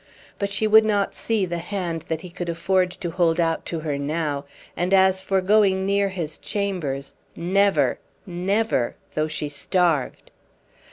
But she would not see the hand that he could afford to hold out to her now; and as for going near his chambers, never, never, though she starved!